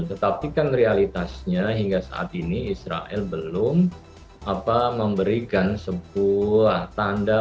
tetapi kan realitasnya hingga saat ini israel belum memberikan sebuah tanda